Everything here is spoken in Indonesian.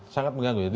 sangat mengganggu ya